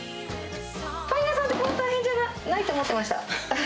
パン屋さんってこんな大変じゃないと思ってました。